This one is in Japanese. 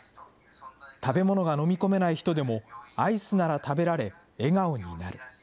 食べ物が飲み込めない人でもアイスなら食べられ、笑顔になる。